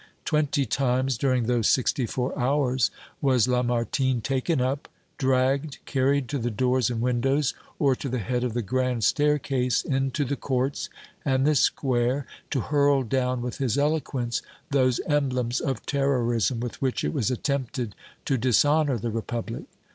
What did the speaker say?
Twenty times during those sixty four hours was Lamartine taken up, dragged, carried to the doors and windows or to the head of the grand staircase, into the courts and the square, to hurl down with his eloquence those emblems of terrorism, with which it was attempted to dishonor the Republic.